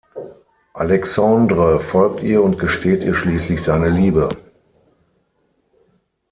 Alexandre folgt ihr und gesteht ihr schließlich seine Liebe.